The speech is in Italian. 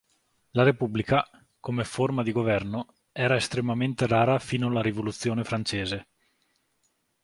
La repubblica, come forma di governo, era estremamente rara fino alla rivoluzione francese.